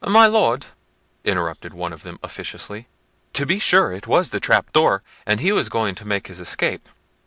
"My Lord," interrupted one of them officiously, "to be sure it was the trap door, and he was going to make his escape."